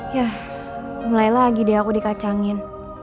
yah mulailah lagi deh aku dikacangin